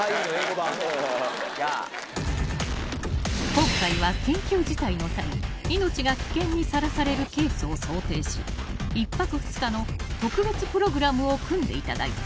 ［今回は緊急事態の際命が危険にさらされるケースを想定し１泊２日の特別プログラムを組んでいただいた］